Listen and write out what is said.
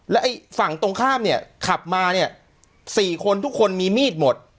แล้วไอ้ฝั่งตรงข้ามเนี่ยขับมาเนี่ย๔คนทุกคนมีมีดหมด